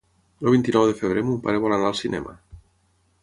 El vint-i-nou de febrer mon pare vol anar al cinema.